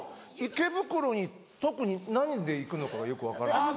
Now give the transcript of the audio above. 池袋に特に何で行くのかがよく分からない。